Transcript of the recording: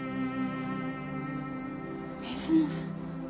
水野さん。